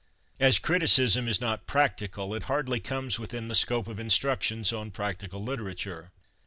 — As criti cism is not practical, it hardly comes within the scope of instructions on practical literature.